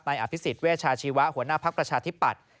ในอภิษฐเวชาชีวะหัวหน้าภักรชาธิปดิ์